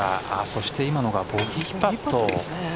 そして今のがボギーパット。